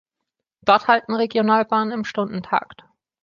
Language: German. Dort halten Regionalbahnen im Stundentakt.